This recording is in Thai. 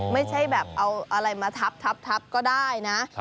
ไม่ใช่แบบเอาอะไรมาทับก็ได้นะ